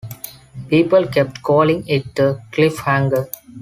People kept calling it a cliffhanger.